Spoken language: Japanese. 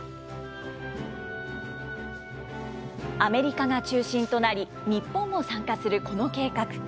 アメリカが中心となり、日本も参加するこの計画。